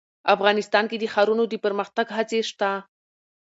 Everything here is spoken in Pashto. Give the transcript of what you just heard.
افغانستان کې د ښارونو د پرمختګ هڅې شته.